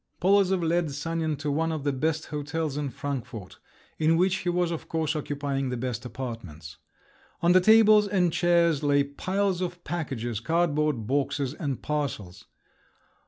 Polozov led Sanin to one of the best hotels in Frankfort, in which he was, of course, occupying the best apartments. On the tables and chairs lay piles of packages, cardboard boxes, and parcels.